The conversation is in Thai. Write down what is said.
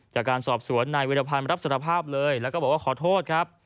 จากการสอบสวนนายวิรพันธ์รับสารภาพเลยแล้วก็บอกว่าขอโทษครับ